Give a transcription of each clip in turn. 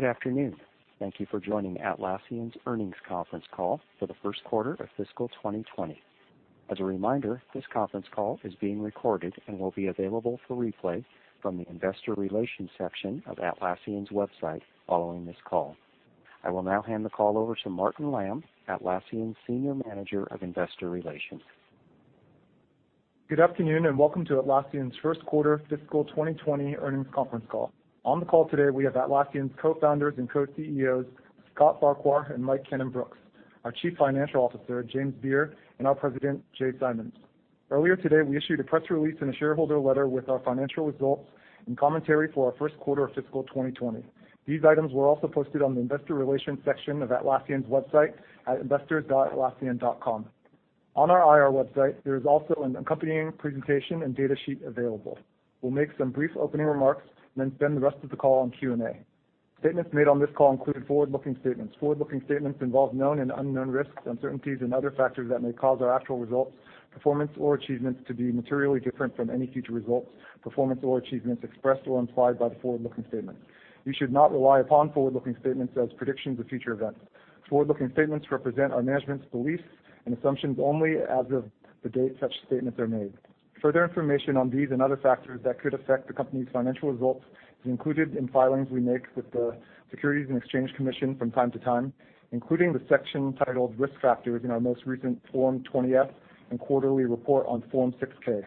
Good afternoon. Thank you for joining Atlassian's earnings conference call for the first quarter of fiscal 2020. As a reminder, this conference call is being recorded and will be available for replay from the investor relations section of Atlassian's website following this call. I will now hand the call over to Martin Lam, Atlassian's Senior Manager of Investor Relations. Good afternoon, and welcome to Atlassian's first quarter fiscal 2020 earnings conference call. On the call today, we have Atlassian's Co-Founders and Co-CEOs, Scott Farquhar and Mike Cannon-Brookes, our Chief Financial Officer, James Beer, and our President, Jay Simons. Earlier today, we issued a press release and a shareholder letter with our financial results and commentary for our first quarter of fiscal 2020. These items were also posted on the investor relations section of Atlassian's website at investor.atlassian.com. On our IR website, there is also an accompanying presentation and data sheet available. We'll make some brief opening remarks and then spend the rest of the call on Q&A. Statements made on this call include forward-looking statements. Forward-looking statements involve known and unknown risks, uncertainties, and other factors that may cause our actual results, performance, or achievements to be materially different from any future results, performance, or achievements expressed or implied by the forward-looking statement. You should not rely upon forward-looking statements as predictions of future events. Forward-looking statements represent our management's beliefs and assumptions only as of the date such statements are made. Further information on these and other factors that could affect the company's financial results is included in filings we make with the Securities and Exchange Commission from time to time, including the section titled Risk Factors in our most recent Form 20-F and quarterly report on Form 6-K.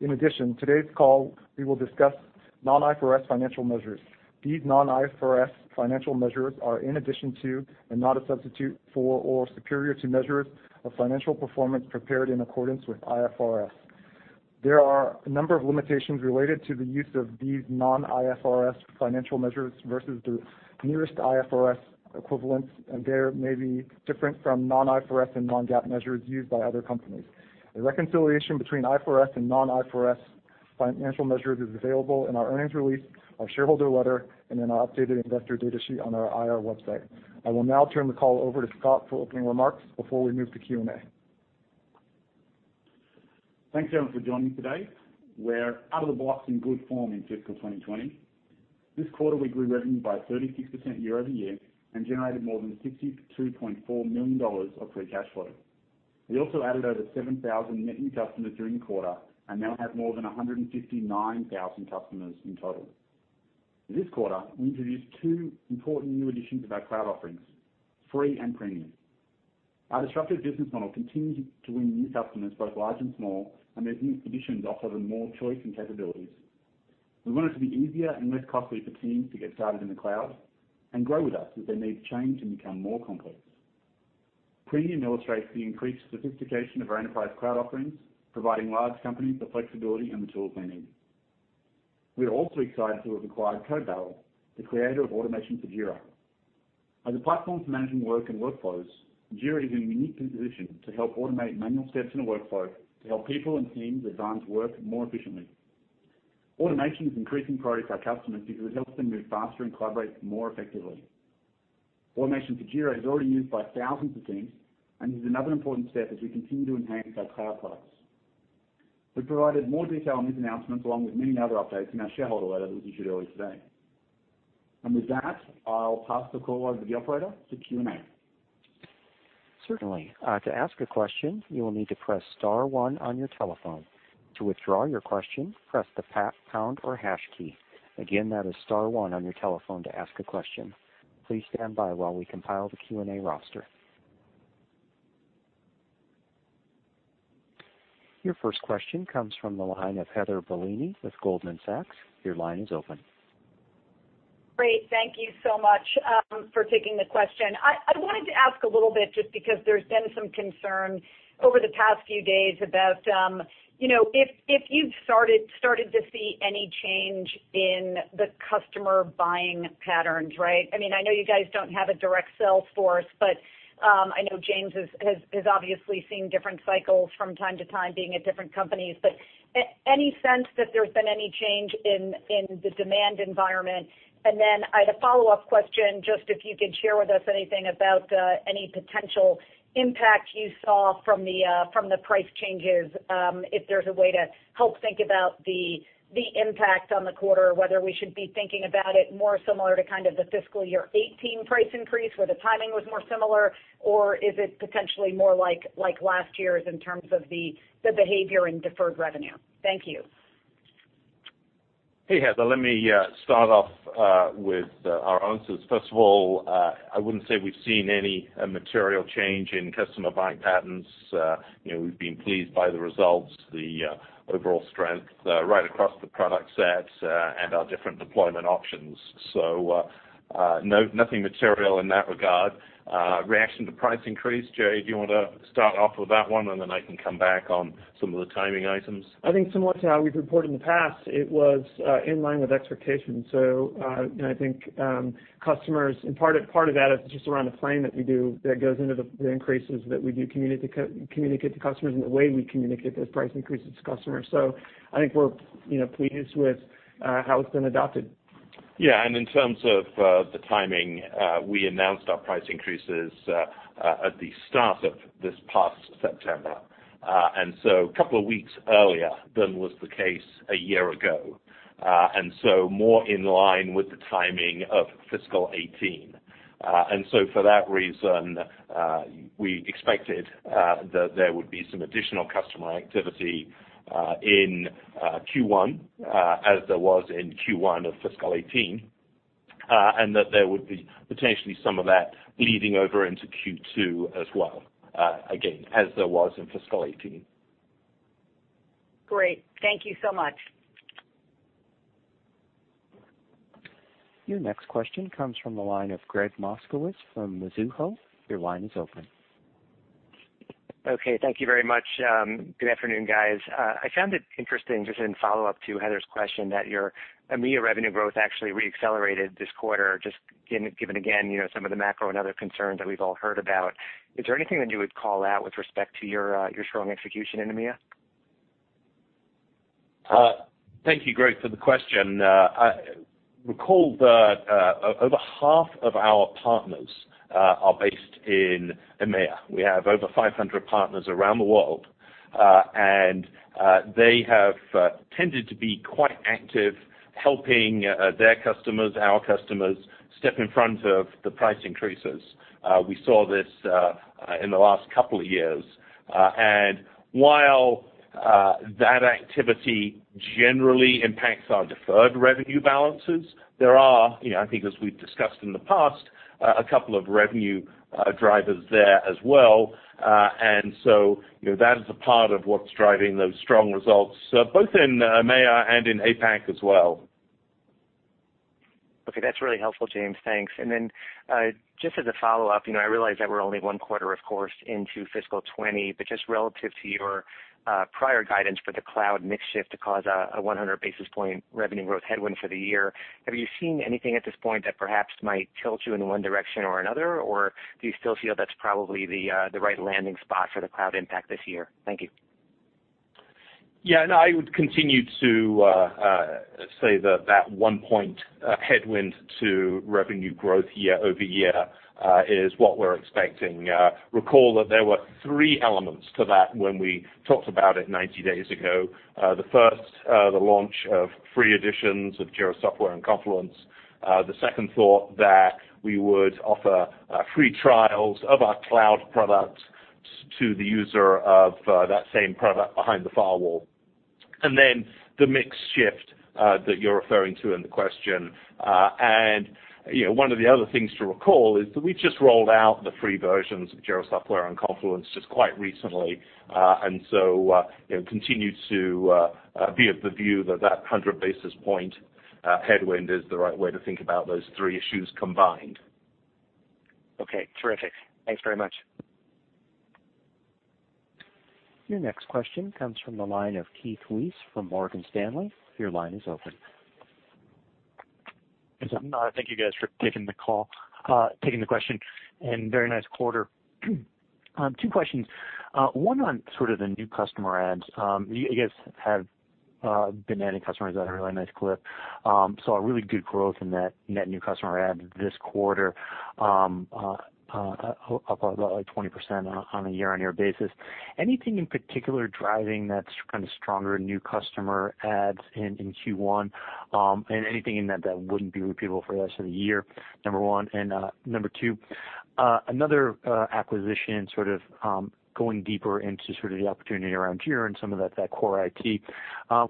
In addition, today's call, we will discuss non-IFRS financial measures. These non-IFRS financial measures are in addition to and not a substitute for or superior to measures of financial performance prepared in accordance with IFRS. There are a number of limitations related to the use of these non-IFRS financial measures versus the nearest IFRS equivalents, and they may be different from non-IFRS and non-GAAP measures used by other companies. A reconciliation between IFRS and non-IFRS financial measures is available in our earnings release, our shareholder letter, and in our updated investor data sheet on our IR website. I will now turn the call over to Scott for opening remarks before we move to Q&A. Thanks, everyone, for joining today. We're out of the blocks in good form in fiscal 2020. This quarter, we grew revenue by 36% year-over-year and generated more than $62.4 million of free cash flow. We also added over 7,000 net new customers during the quarter and now have more than 159,000 customers in total. This quarter, we introduced two important new additions of our cloud offerings, Free and Premium. Our disruptive business model continues to win new customers, both large and small, and these new additions offer them more choice and capabilities. We want it to be easier and less costly for teams to get started in the cloud and grow with us as their needs change and become more complex. Premium illustrates the increased sophistication of our enterprise cloud offerings, providing large companies the flexibility and the tools they need. We are also excited to have acquired Code Barrel, the creator of Automation for Jira. As a platform for managing work and workflows, Jira is in a unique position to help automate manual steps in a workflow to help people and teams design work more efficiently. Automation is increasing priority for our customers because it helps them move faster and collaborate more effectively. Automation for Jira is already used by thousands of teams and is another important step as we continue to enhance our cloud products. We provided more detail on these announcements along with many other updates in our shareholder letter that we issued earlier today. With that, I'll pass the call over to the operator to Q&A. Certainly. To ask a question, you will need to press star one on your telephone. To withdraw your question, press the pound or hash key. Again, that is star one on your telephone to ask a question. Please stand by while we compile the Q&A roster. Your first question comes from the line of Heather Bellini with Goldman Sachs. Your line is open. Great. Thank you so much for taking the question. I wanted to ask a little bit just because there's been some concern over the past few days about if you've started to see any change in the customer buying patterns, right? I know you guys don't have a direct sales force, but I know James has obviously seen different cycles from time to time being at different companies. But any sense that there's been any change in the demand environment? I had a follow-up question just if you could share with us anything about any potential impact you saw from the price changes, if there's a way to help think about the impact on the quarter, whether we should be thinking about it more similar to the fiscal year 2018 price increase where the timing was more similar, or is it potentially more like last year's in terms of the behavior in deferred revenue? Thank you. Hey, Heather. Let me start off with our answers. First of all, I wouldn't say we've seen any material change in customer buying patterns. We've been pleased by the results, the overall strength right across the product set and our different deployment options. Nothing material in that regard. Reaction to price increase, Jay, do you want to start off with that one, and then I can come back on some of the timing items? I think similar to how we've reported in the past, it was in line with expectations. I think customers, and part of that is just around the planning that we do that goes into the increases that we do communicate to customers and the way we communicate those price increases to customers. I think we're pleased with how it's been adopted. Yeah. In terms of the timing, we announced our price increases at the start of this past September. A couple of weeks earlier than was the case a year ago, and so more in line with the timing of fiscal 2018. For that reason, we expected that there would be some additional customer activity in Q1, as there was in Q1 of fiscal 2018, and that there would be potentially some of that bleeding over into Q2 as well, again, as there was in fiscal 2018. Great. Thank you so much. Your next question comes from the line of Gregg Moskowitz from Mizuho. Your line is open. Okay. Thank you very much. Good afternoon, guys. I found it interesting, just in follow-up to Heather's question, that your EMEA revenue growth actually re-accelerated this quarter, just given again, some of the macro and other concerns that we've all heard about. Is there anything that you would call out with respect to your strong execution in EMEA? Thank you, Gregg, for the question. Recall that over half of our partners are based in EMEA. We have over 500 partners around the world, and they have tended to be quite active, helping their customers, our customers, step in front of the price increases. We saw this in the last couple of years. While that activity generally impacts our deferred revenue balances, there are, I think as we've discussed in the past, a couple of revenue drivers there as well. That is a part of what's driving those strong results, both in EMEA and in APAC as well. Okay. That's really helpful, James, thanks. Just as a follow-up, I realize that we're only one quarter, of course, into FY '20, but just relative to your prior guidance for the cloud mix shift to cause a 100 basis point revenue growth headwind for the year, have you seen anything at this point that perhaps might tilt you in one direction or another? Or do you still feel that's probably the right landing spot for the cloud impact this year? Thank you. Yeah, no, I would continue to say that that one point headwind to revenue growth year-over-year is what we're expecting. Recall that there were three elements to that when we talked about it 90 days ago. The first, the launch of free editions of Jira Software and Confluence. The second saw that we would offer free trials of our cloud products to the user of that same product behind the firewall. The mix shift that you're referring to in the question. One of the other things to recall is that we just rolled out the free versions of Jira Software and Confluence just quite recently. Continue to be of the view that that 100-basis point headwind is the right way to think about those three issues combined. Okay, terrific. Thanks very much. Your next question comes from the line of Keith Weiss from Morgan Stanley. Your line is open. Yes. Thank you guys for taking the question. Very nice quarter. Two questions. One on sort of the new customer adds. You guys have been adding customers at a really nice clip. Saw really good growth in that net new customer add this quarter, up about 20% on a year-on-year basis. Anything in particular driving that kind of stronger new customer adds in Q1? Anything in that that wouldn't be repeatable for the rest of the year, number one. Number two, another acquisition sort of going deeper into sort of the opportunity around Jira and some of that core IT.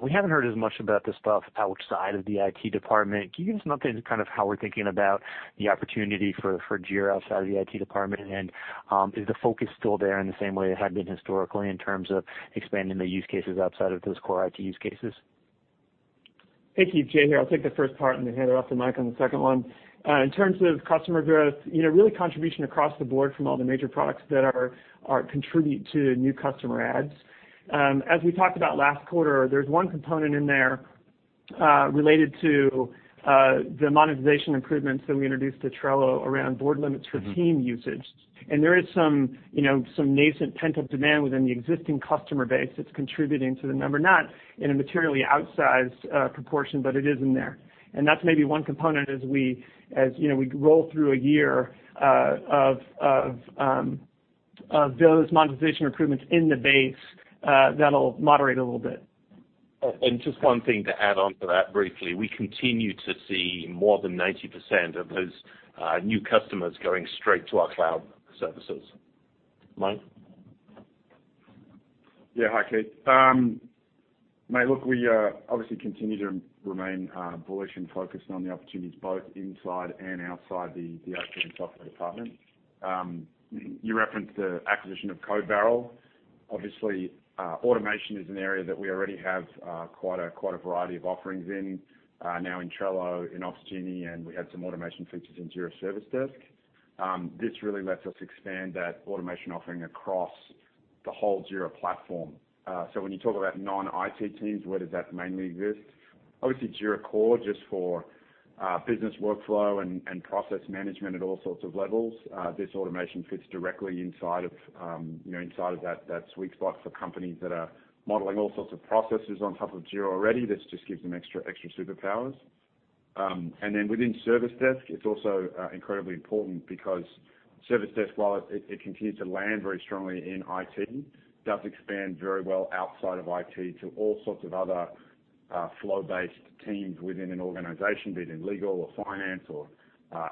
We haven't heard as much about the stuff outside of the IT department. Can you give us an update on kind of how we're thinking about the opportunity for Jira outside of the IT department? Is the focus still there in the same way it had been historically in terms of expanding the use cases outside of those core IT use cases? Hey, Keith. Jay here. I'll take the first part, then hand it off to Mike on the second one. In terms of customer growth, really contribution across the board from all the major products that contribute to new customer adds. As we talked about last quarter, there's one component in there related to the monetization improvements that we introduced to Trello around board limits for team usage. There is some nascent pent-up demand within the existing customer base that's contributing to the number, not in a materially outsized proportion, but it is in there. That's maybe one component as we roll through a year of those monetization improvements in the base, that'll moderate a little bit. Just one thing to add on to that briefly, we continue to see more than 90% of those new customers going straight to our cloud services. Mike? Yeah. Hi, Keith. Mate, look, we obviously continue to remain bullish and focused on the opportunities both inside and outside the IT and software department. You referenced the acquisition of Code Barrel. Obviously, automation is an area that we already have quite a variety of offerings in. Now in Trello, in Opsgenie, and we have some automation features in Jira Service Desk. This really lets us expand that automation offering across the whole Jira platform. When you talk about non-IT teams, where does that mainly exist? Obviously, Jira Core, just for business workflow and process management at all sorts of levels. This automation fits directly inside of that sweet spot for companies that are modeling all sorts of processes on top of Jira already. This just gives them extra superpowers. Within Service Desk, it's also incredibly important because Service Desk, while it continues to land very strongly in IT, does expand very well outside of IT to all sorts of other flow-based teams within an organization, be it in legal or finance or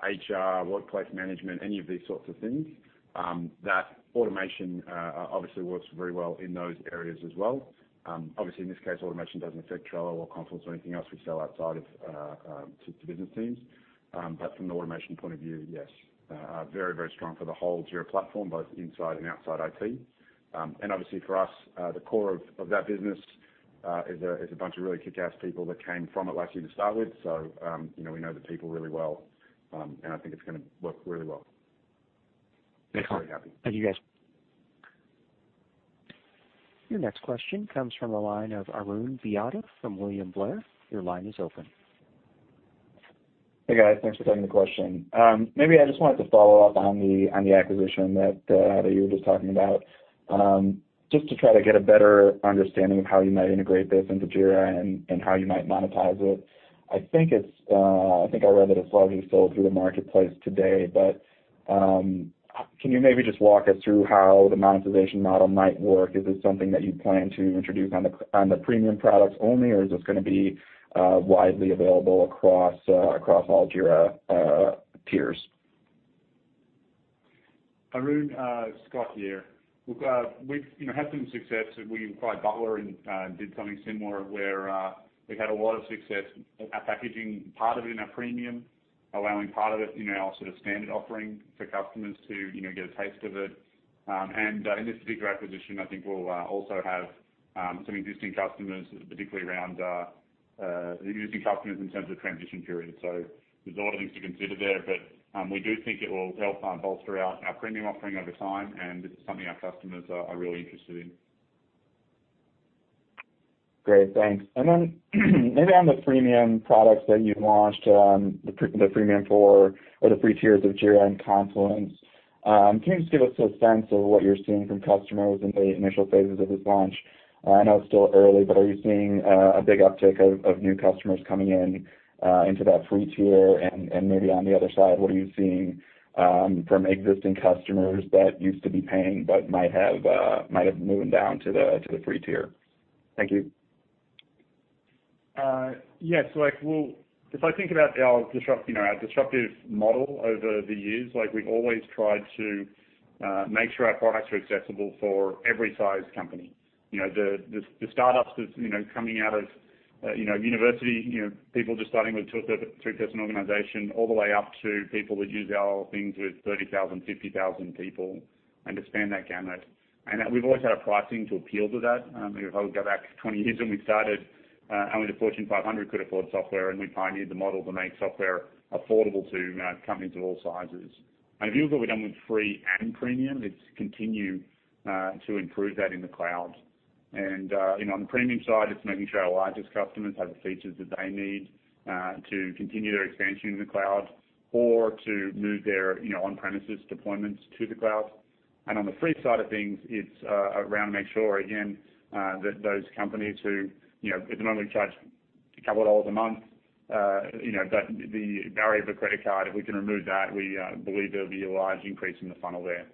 HR, workplace management, any of these sorts of things, that automation obviously works very well in those areas as well. Obviously, in this case, automation doesn't affect Trello or Confluence or anything else we sell outside to business teams. From an automation point of view, yes, very strong for the whole Jira platform, both inside and outside IT. Obviously for us, the core of that business is a bunch of really kickass people that came from Atlassian to start with. We know the people really well, and I think it's going to work really well. Thanks. Very happy. Thank you guys. Your next question comes from the line of Arun Vira from William Blair. Your line is open. Hey, guys. Thanks for taking the question. Maybe I just wanted to follow up on the acquisition that you were just talking about, just to try to get a better understanding of how you might integrate this into Jira and how you might monetize it. I think I read that it's largely sold through the marketplace today, but can you maybe just walk us through how the monetization model might work? Is it something that you plan to introduce on the premium products only, or is this going to be widely available across all Jira tiers? Arun, Scott here. We've had some success. We acquired Butler and did something similar, where we've had a lot of success at packaging part of it in our premium, allowing part of it in our sort of standard offering for customers to get a taste of it. In this bigger acquisition, I think we'll also have some existing customers, particularly around existing customers in terms of transition period. There's a lot of things to consider there. We do think it will help bolster our premium offering over time, and this is something our customers are really interested in. Great. Thanks. Then maybe on the freemium products that you've launched, the freemium for, or the free tiers of Jira and Confluence, can you just give us a sense of what you're seeing from customers in the initial phases of this launch? I know it's still early, but are you seeing a big uptick of new customers coming into that free tier? Maybe on the other side, what are you seeing from existing customers that used to be paying but might have moved down to the free tier? Thank you. Yeah. If I think about our disruptive model over the years, we've always tried to make sure our products are accessible for every size company. The startups that's coming out of university, people just starting with two or three-person organization, all the way up to people that use our things with 30,000, 50,000 people, and to span that gamut. We've always had our pricing to appeal to that. If I were to go back 20 years when we started, only the Fortune 500 could afford software, and we pioneered the model to make software affordable to companies of all sizes. If you look what we've done with free and premium, it's continue to improve that in the cloud. On the premium side, it's making sure our largest customers have the features that they need to continue their expansion in the cloud or to move their on-premises deployments to the cloud. On the free side of things, it's around making sure, again, that those companies who at the moment we charge $2 a month, that the barrier of a credit card, if we can remove that, we believe there'll be a large increase in the funnel there.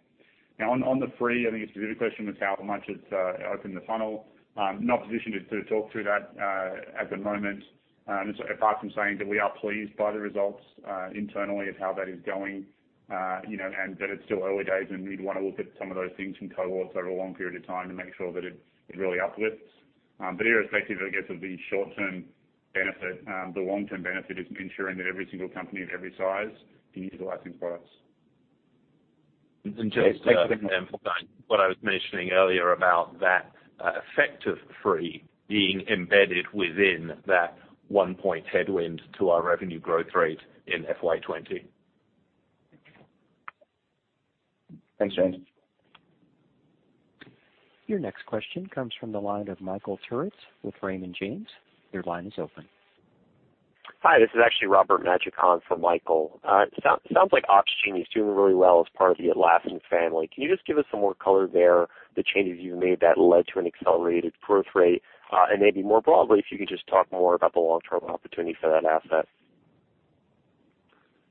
On the free, I think your specific question was how much it's opened the funnel. Not positioned to talk to that at the moment, apart from saying that we are pleased by the results internally of how that is going, and that it's still early days, and we'd want to look at some of those things in cohorts over a long period of time to make sure that it really uplifts. Irrespective, I guess, of the short-term benefit, the long-term benefit is ensuring that every single company of every size can utilize these products. And just to- Thanks very much. emphasize what I was mentioning earlier about that effect of free being embedded within that one point headwind to our revenue growth rate in FY 2020. Thanks, James. Your next question comes from the line of Michael Turrin with Raymond James. Your line is open. Hi, this is actually Robert Majek for Michael Turrin. It sounds like Opsgenie is doing really well as part of the Atlassian family. Can you just give us some more color there, the changes you've made that led to an accelerated growth rate? Maybe more broadly, if you could just talk more about the long-term opportunity for that asset.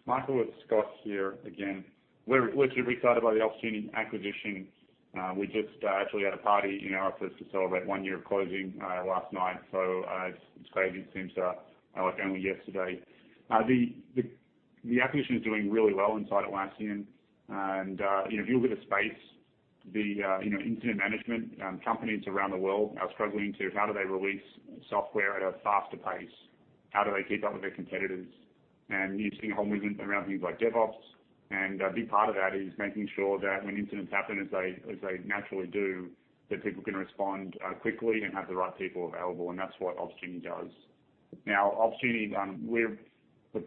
Michael, it's Scott here again. We're pretty excited by the Opsgenie acquisition. We just actually had a party in our office to celebrate one year of closing last night. It's crazy, it seems like only yesterday. The acquisition is doing really well inside Atlassian. If you look at the space, the incident management companies around the world are struggling to, how do they release software at a faster pace? How do they keep up with their competitors? You're seeing a whole movement around things like DevOps, and a big part of that is making sure that when incidents happen, as they naturally do, that people can respond quickly and have the right people available, and that's what Opsgenie does. Now, Opsgenie, we're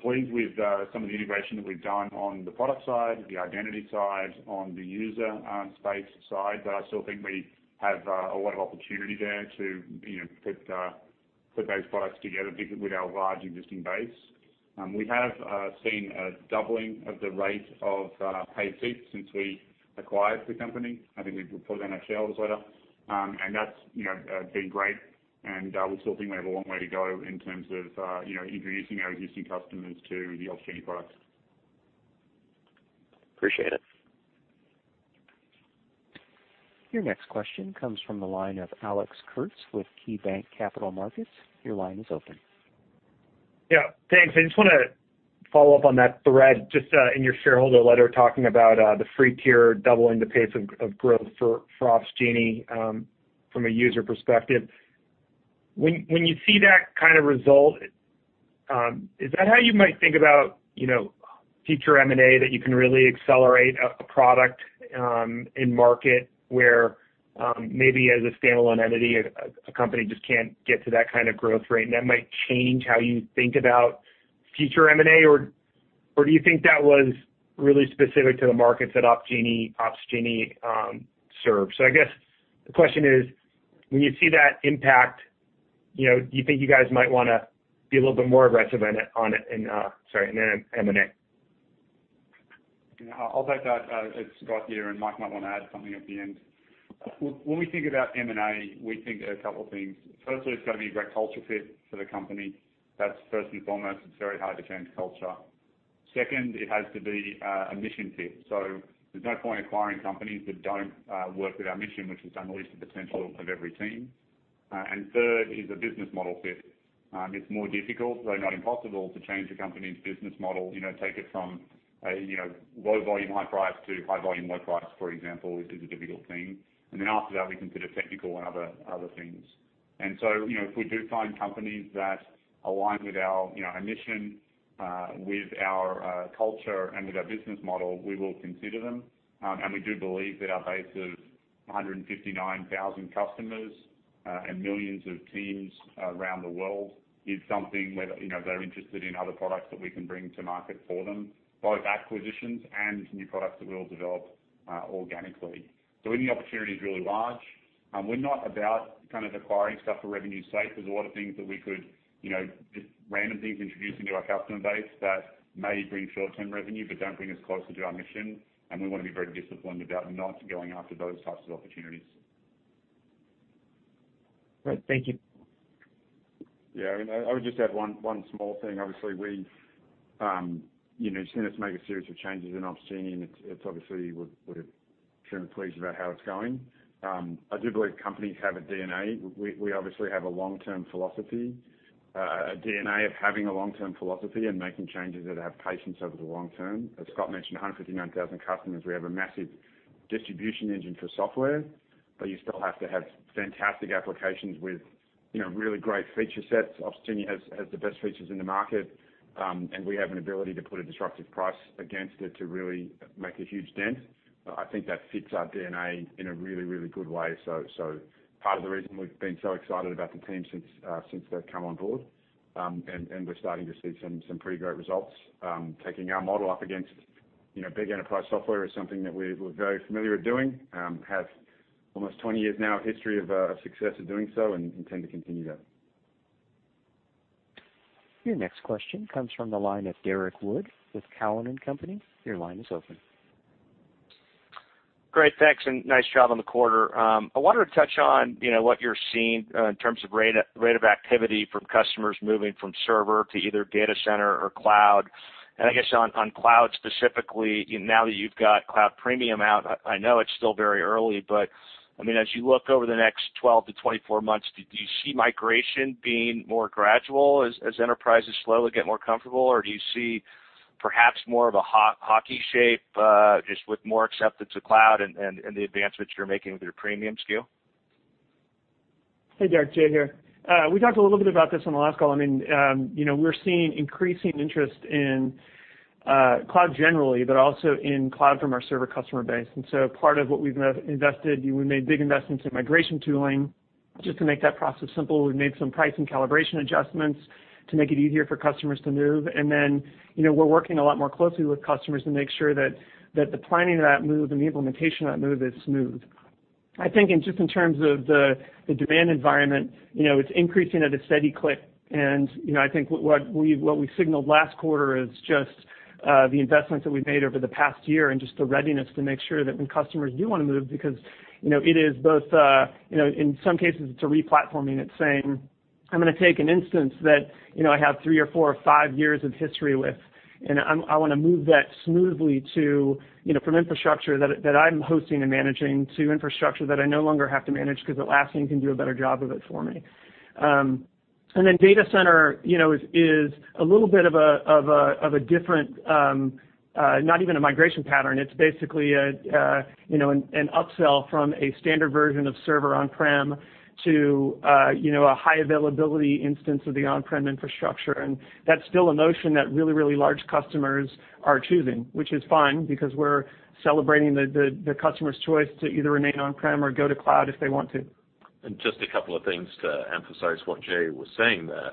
pleased with some of the integration that we've done on the product side, the identity side, on the user space side. I still think we have a lot of opportunity there to put those products together, particularly with our large existing base. We have seen a doubling of the rate of paid seats since we acquired the company. I think we'll put it in our shareholders letter. That's been great, and we still think we have a long way to go in terms of introducing our existing customers to the Opsgenie products. Appreciate it. Your next question comes from the line of Alex Kurtz with KeyBanc Capital Markets. Your line is open. Yeah, thanks. I just want to follow up on that thread just in your shareholder letter talking about the free tier doubling the pace of growth for Opsgenie from a user perspective. When you see that kind of result, is that how you might think about future M&A that you can really accelerate a product in market where maybe as a standalone entity, a company just can't get to that kind of growth rate, and that might change how you think about future M&A? Do you think that was really specific to the markets that Opsgenie serves? I guess the question is, when you see that impact, do you think you guys might want to be a little bit more aggressive on it and sorry, M&A? I'll take that. It's Scott here. Mike might want to add something at the end. When we think about M&A, we think a couple things. Firstly, it's got to be a great culture fit for the company. That's first and foremost. It's very hard to change culture. Second, it has to be a mission fit. There's no point acquiring companies that don't work with our mission, which is unleash the potential of every team. Third is a business model fit. It's more difficult, though not impossible, to change a company's business model. Take it from low volume, high price to high volume, low price, for example, which is a difficult thing. After that, we consider technical and other things. If we do find companies that align with our mission, with our culture and with our business model, we will consider them. We do believe that our base of 159,000 customers and millions of teams around the world is something where they're interested in other products that we can bring to market for them, both acquisitions and new products that we'll develop organically. Any opportunity is really large. We're not about kind of acquiring stuff for revenue's sake. There's a lot of things that we could, just random things introduced into our customer base that may bring short-term revenue but don't bring us closer to our mission, and we want to be very disciplined about not going after those types of opportunities. Great. Thank you. Yeah. I would just add one small thing. Obviously, we've seen us make a series of changes in Opsgenie, it's obviously we're extremely pleased about how it's going. I do believe companies have a DNA. We obviously have a long-term philosophy, a DNA of having a long-term philosophy and making changes that have patience over the long term. As Scott mentioned, 159,000 customers. We have a massive distribution engine for software, you still have to have fantastic applications with really great feature sets. Opsgenie has the best features in the market, we have an ability to put a disruptive price against it to really make a huge dent. I think that fits our DNA in a really good way. Part of the reason we've been so excited about the team since they've come on board, and we're starting to see some pretty great results. Taking our model up against big enterprise software is something that we're very familiar with doing. We have almost 20 years now of history of success in doing so and intend to continue that. Your next question comes from the line of Derrick Wood with Cowen and Company. Your line is open. Great. Thanks, nice job on the quarter. I wanted to touch on what you're seeing in terms of rate of activity from customers moving from server to either data center or cloud. I guess on Cloud specifically, now that you've got Cloud Premium out, I know it's still very early, but as you look over the next 12 to 24 months, do you see migration being more gradual as enterprises slowly get more comfortable, or do you see perhaps more of a hockey shape just with more acceptance of cloud and the advancements you're making with your Premium SKU? Hey, Derrick, Jay here. We talked a little bit about this on the last call. We're seeing increasing interest in cloud generally, but also in cloud from our server customer base. Part of what we've invested, we made big investments in migration tooling just to make that process simple. We've made some price and calibration adjustments to make it easier for customers to move. We're working a lot more closely with customers to make sure that the planning of that move and the implementation of that move is smooth. I think just in terms of the demand environment, it's increasing at a steady clip. I think what we signaled last quarter is just the investments that we've made over the past year and just the readiness to make sure that when customers do want to move, because it is both in some cases it's a re-platforming. It's saying, I'm going to take an instance that I have three or four or five years of history with, and I want to move that smoothly from infrastructure that I'm hosting and managing to infrastructure that I no longer have to manage because Atlassian can do a better job of it for me. Then data center is a little bit of a different, not even a migration pattern. It's basically an upsell from a standard version of server on-prem to a high availability instance of the on-prem infrastructure. That's still a notion that really large customers are choosing, which is fine because we're celebrating the customer's choice to either remain on-prem or go to cloud if they want to. Just a couple of things to emphasize what Jay was saying there.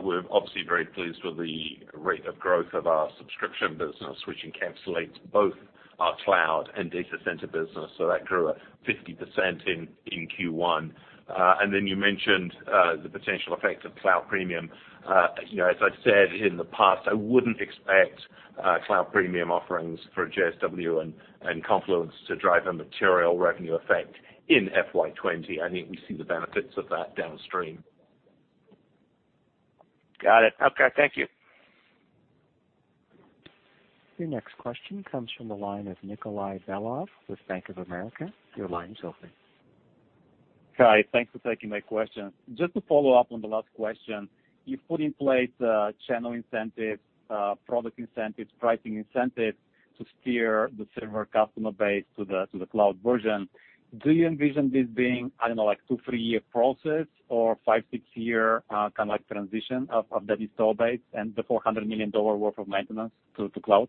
We're obviously very pleased with the rate of growth of our subscription business, which encapsulates both our cloud and data center business. That grew at 50% in Q1. You mentioned the potential effect of cloud premium. As I've said in the past, I wouldn't expect cloud premium offerings for JSW and Confluence to drive a material revenue effect in FY '20. I think we see the benefits of that downstream. Got it. Okay. Thank you. Your next question comes from the line of Nikolay Beliov with Bank of America. Your line is open. Hi. Thanks for taking my question. Just to follow up on the last question, you've put in place channel incentives, product incentives, pricing incentives to steer the server customer base to the cloud version. Do you envision this being, I don't know, like two, three-year process or five, six-year kind of transition of the install base and the $400 million worth of maintenance to cloud?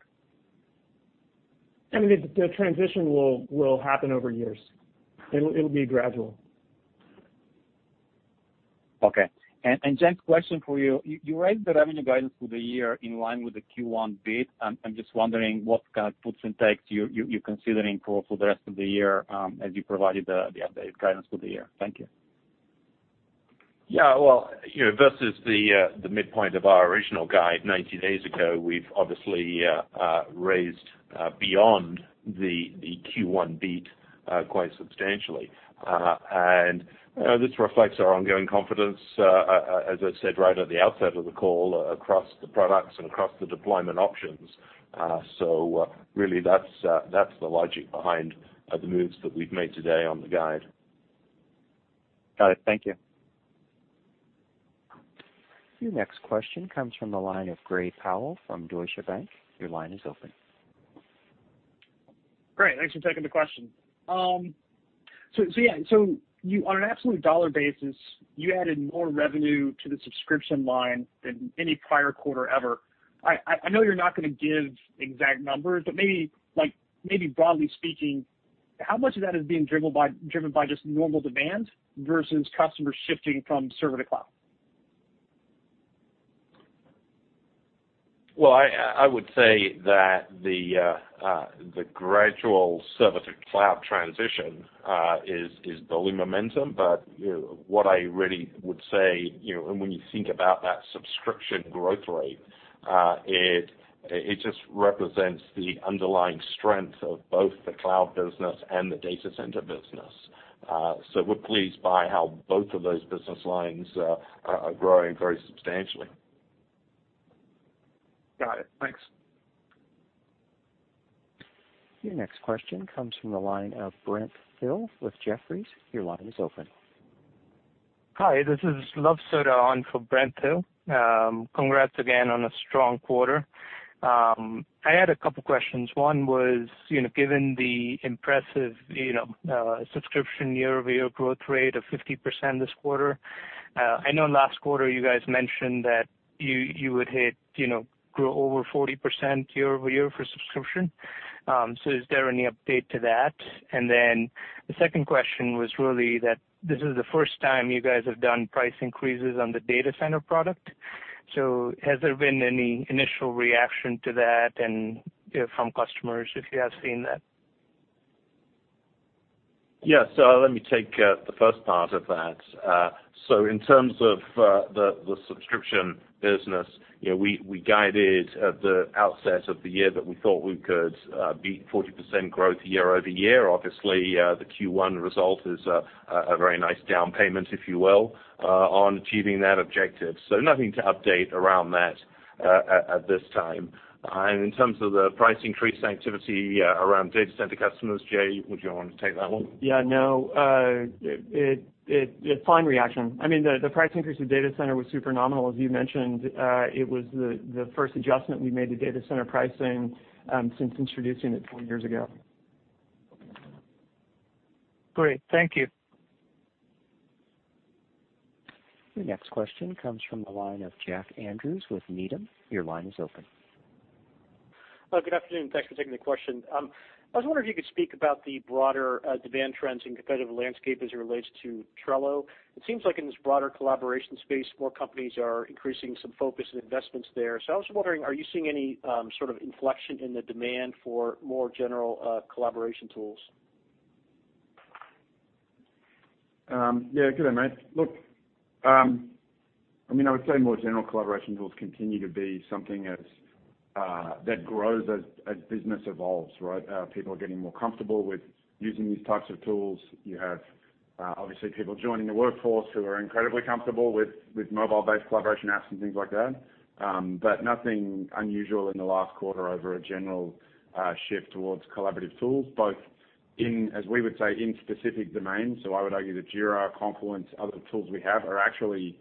I mean, the transition will happen over years. It'll be gradual. Okay. Mike, question for you. You raised the revenue guidance for the year in line with the Q1 beat. I'm just wondering what kind of puts and takes you're considering for the rest of the year as you provided the updated guidance for the year. Thank you. Yeah. Well, versus the midpoint of our original guide 90 days ago, we've obviously raised beyond the Q1 beat quite substantially. This reflects our ongoing confidence, as I said right at the outset of the call, across the products and across the deployment options. Really that's the logic behind the moves that we've made today on the guide. Got it. Thank you. Your next question comes from the line of Gray Powell from Deutsche Bank. Your line is open. Great. Thanks for taking the question. Yeah. On an absolute dollar basis, you added more revenue to the subscription line than any prior quarter ever. I know you're not going to give exact numbers, maybe broadly speaking, how much of that is being driven by just normal demand versus customers shifting from server to cloud? Well, I would say that the gradual server-to-cloud transition is building momentum. What I really would say, when you think about that subscription growth rate, it just represents the underlying strength of both the cloud business and the data center business. We're pleased by how both of those business lines are growing very substantially. Got it. Thanks. Your next question comes from the line of Brent Thill with Jefferies. Your line is open. Hi, this is Luv Sodha on for Brent Thill. Congrats again on a strong quarter. I had a couple questions. One was, given the impressive subscription year-over-year growth rate of 50% this quarter, I know last quarter you guys mentioned that you would grow over 40% year-over-year for subscription. Is there any update to that? The second question was really that this is the first time you guys have done price increases on the Data Center product. Has there been any initial reaction to that from customers, if you have seen that? Yeah. Let me take the first part of that. In terms of the subscription business, we guided at the outset of the year that we thought we could beat 40% growth year-over-year. Obviously, the Q1 result is a very nice down payment, if you will, on achieving that objective. Nothing to update around that at this time. In terms of the price increase activity around data center customers, Jay, would you want to take that one? Yeah, no, fine reaction. I mean, the price increase of data center was super nominal, as you mentioned. It was the first adjustment we made to data center pricing since introducing it four years ago. Great. Thank you. Your next question comes from the line of Jack Andrews with Needham. Your line is open. Good afternoon. Thanks for taking the question. I was wondering if you could speak about the broader demand trends and competitive landscape as it relates to Trello. It seems like in this broader collaboration space, more companies are increasing some focus and investments there. I was just wondering, are you seeing any sort of inflection in the demand for more general collaboration tools? Yeah. Good day, mate. I would say more general collaboration tools continue to be something that grows as business evolves, right? People are getting more comfortable with using these types of tools. You have, obviously, people joining the workforce who are incredibly comfortable with mobile-based collaboration apps and things like that. Nothing unusual in the last quarter over a general shift towards collaborative tools, both in, as we would say, in specific domains. I would argue that Jira, Confluence, other tools we have are actually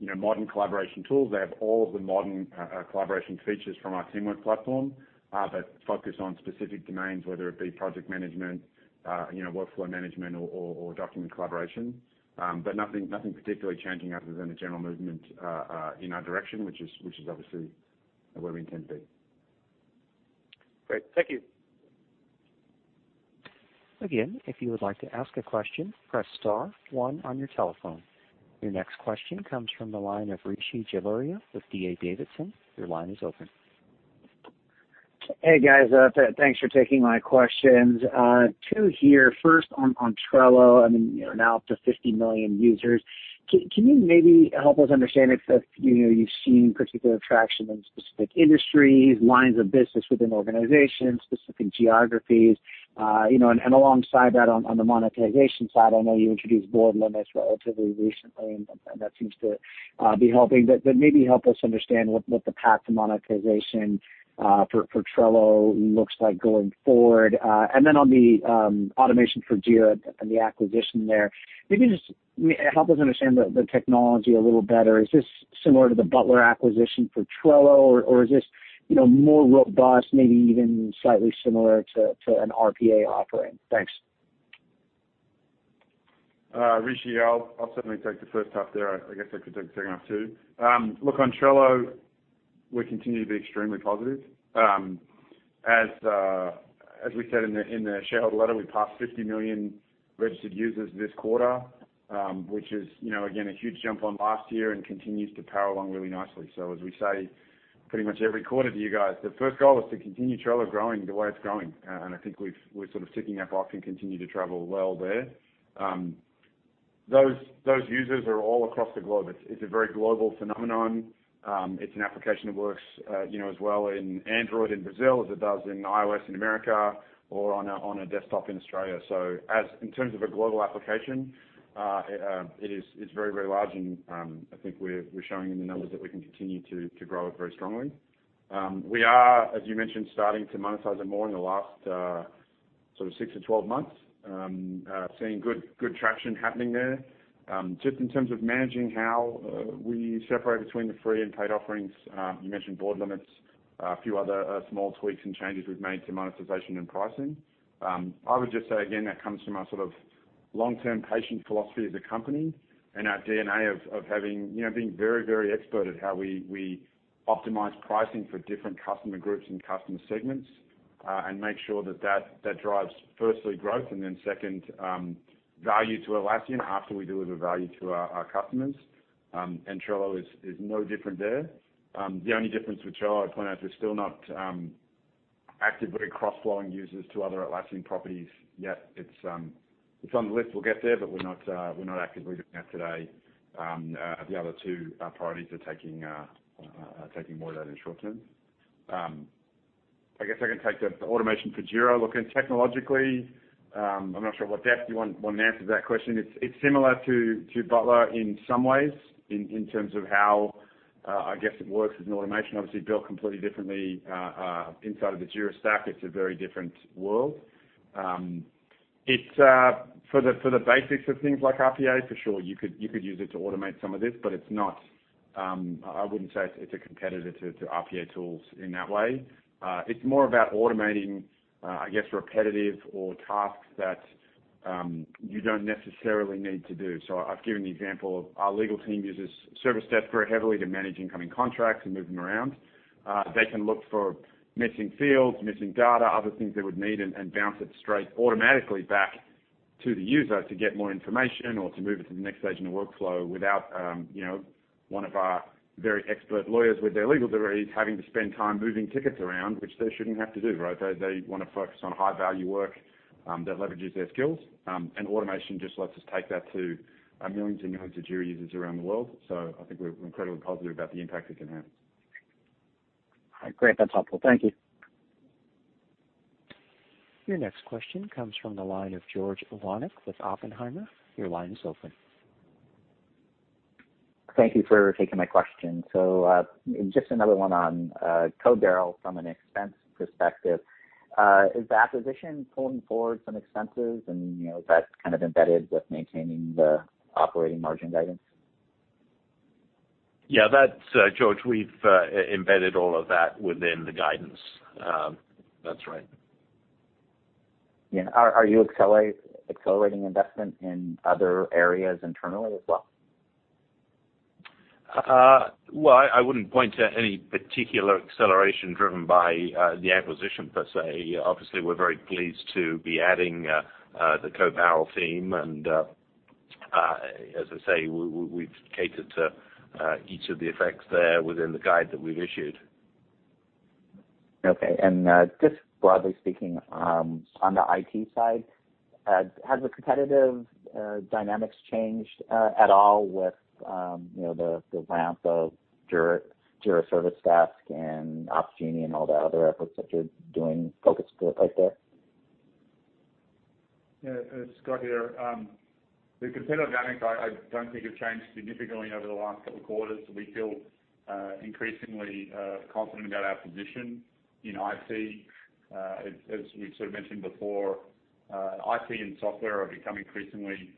modern collaboration tools. They have all of the modern collaboration features from our teamwork platform, but focused on specific domains, whether it be project management, workflow management or document collaboration. Nothing particularly changing other than a general movement in our direction, which is obviously where we intend to be. Great. Thank you. Again, if you would like to ask a question, press star one on your telephone. Your next question comes from the line of Rishi Jaluria with D.A. Davidson. Your line is open. Hey, guys. Thanks for taking my questions. Two here, first on Trello. I mean, you're now up to 50 million users. Can you maybe help us understand if you've seen particular traction in specific industries, lines of business within organizations, specific geographies? Alongside that, on the monetization side, I know you introduced board limits relatively recently, and that seems to be helping. Maybe help us understand what the path to monetization for Trello looks like going forward. On the Automation for Jira and the acquisition there, maybe just help us understand the technology a little better. Is this similar to the Butler acquisition for Trello, or is this more robust, maybe even slightly similar to an RPA offering? Thanks. Rishi, I'll certainly take the first half there. I guess I could take the second half, too. Look, on Trello, we continue to be extremely positive. As we said in the shareholder letter, we passed 50 million registered users this quarter, which is again, a huge jump on last year and continues to power along really nicely. As we say pretty much every quarter to you guys, the first goal is to continue Trello growing the way it's growing. I think we're sort of ticking that box and continue to travel well there. Those users are all across the globe. It's a very global phenomenon. It's an application that works as well in Android in Brazil as it does in iOS in America or on a desktop in Australia. In terms of a global application, it is very large and I think we're showing in the numbers that we can continue to grow it very strongly. We are, as you mentioned, starting to monetize it more in the last sort of six to 12 months, seeing good traction happening there. Just in terms of managing how we separate between the free and paid offerings, you mentioned board limits, a few other small tweaks and changes we've made to monetization and pricing. I would just say again, that comes from our sort of long-term patient philosophy as a company and our DNA of being very expert at how we optimize pricing for different customer groups and customer segments, and make sure that drives firstly growth, and then second value to Atlassian after we deliver value to our customers. Trello is no different there. The only difference with Trello, I point out, is we're still not actively cross-flowing users to other Atlassian properties yet. It's on the list. We'll get there, but we're not actively looking at today. The other two priorities are taking more of that in short term. I guess I can take the Automation for Jira. Look, technologically, I'm not sure what depth you want in answer to that question. It's similar to Butler in some ways in terms of how I guess it works as an automation, obviously built completely differently inside of the Jira stack. It's a very different world. For the basics of things like RPA, for sure, you could use it to automate some of this, but I wouldn't say it's a competitor to RPA tools in that way. It's more about automating, I guess, repetitive or tasks that you don't necessarily need to do. I've given the example of our legal team uses Service Desk very heavily to manage incoming contracts and move them around. They can look for missing fields, missing data, other things they would need, and bounce it straight automatically back to the user to get more information or to move it to the next stage in the workflow without one of our very expert lawyers with their legal degrees having to spend time moving tickets around, which they shouldn't have to do, right? They want to focus on high-value work that leverages their skills. Automation just lets us take that to millions and millions of Jira users around the world. I think we're incredibly positive about the impact it can have. Great. That's helpful. Thank you. Your next question comes from the line of George Iwanyc with Oppenheimer. Your line is open. Thank you for taking my question. Just another one on Code Barrel from an expense perspective. Is the acquisition pulling forward some expenses and is that kind of embedded with maintaining the operating margin guidance? Yeah, George, we've embedded all of that within the guidance. That's right. Yeah. Are you accelerating investment in other areas internally as well? Well, I wouldn't point to any particular acceleration driven by the acquisition per se. Obviously, we're very pleased to be adding the Code Barrel team and, as I say, we've catered to each of the effects there within the guide that we've issued. Okay. Just broadly speaking, on the IT side, has the competitive dynamics changed at all with the ramp of Jira Service Desk and Opsgenie and all the other efforts that you're doing focused right there? Scott here. The competitive dynamics I don't think have changed significantly over the last couple of quarters. We feel increasingly confident about our position in IT. As we've sort of mentioned before, IT and software are becoming increasingly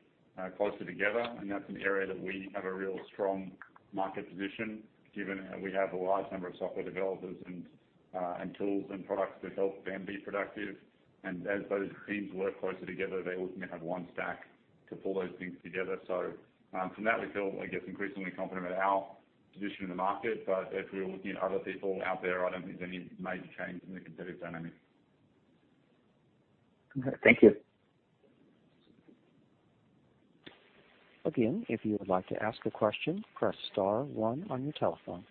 closer together, and that's an area that we have a real strong market position given that we have a large number of software developers and tools and products that help them be productive. As those teams work closer together, they're looking to have one stack to pull those things together. From that, we feel, I guess, increasingly confident about our position in the market. If we were looking at other people out there, I don't think there's any major change in the competitive dynamic. Okay. Thank you. Again, if you would like to ask a question, press *1 on your telephone.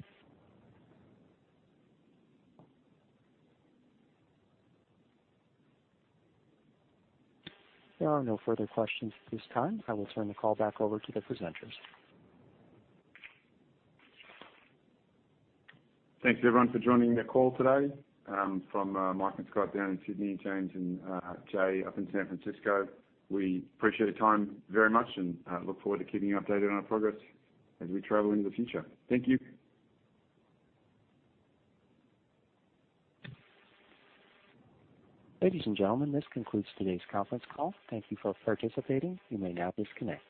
There are no further questions at this time. I will turn the call back over to the presenters. Thanks everyone for joining the call today. From Mike and Scott down in Sydney, James and Jay up in San Francisco, we appreciate your time very much and look forward to keeping you updated on our progress as we travel into the future. Thank you. Ladies and gentlemen, this concludes today's conference call. Thank you for participating. You may now disconnect.